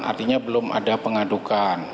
artinya belum ada pengadukan